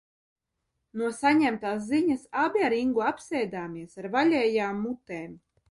No saņemtās ziņas abi ar Ingu apsēdāmies ar vaļējām mutēm.